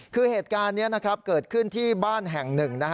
คือเหตุการณ์นี้เกิดขึ้นที่บ้านแห่งหนึ่ง